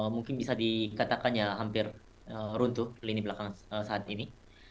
mungkin bisa dikatakannya hampir runtuh lini belakang saat ini